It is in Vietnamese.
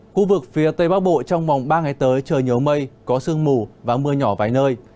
khu vực phía tây bắc bộ trong vòng ba ngày tới trời nhiều mây có sương mù và mưa nhỏ vài nơi